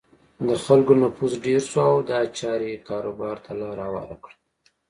د خلکو نفوس ډېر شو او دا چارې کاروبار ته لاره هواره کړه.